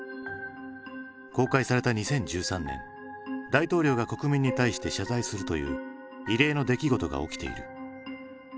公開された２０１３年大統領が国民に対して謝罪するという異例の出来事が起きている。